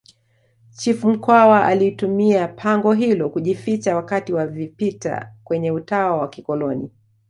chifu mkwawa alitumia pango hilo kujificha wakati wa vipita kwenye utawa wa kikoloni